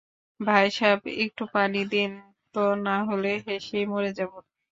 ভাইসাব, একটু পানি দিন তো নাহলে হেসেই মরে যাবে।